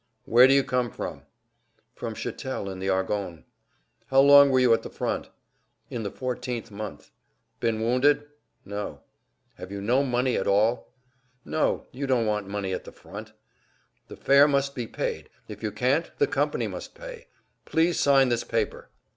"Where do you come from?" "From Chatel in the Argonnes." "How long were you at the front?" "In the fourteenth month." "Been wounded?" "No." [Pg 182]"Have you no money at all?" "No; you don't want money at the front." "The fare must be paid. If you can't, the company must pay. Please sign this paper."